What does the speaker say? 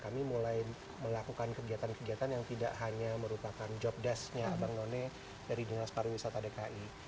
kami mulai melakukan kegiatan kegiatan yang tidak hanya merupakan job desk nya abang none dari dinas pariwisata dki